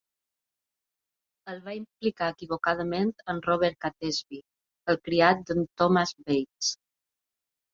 El va implicar equivocadament en Robert Catesby, el criat d'en Thomas Bates.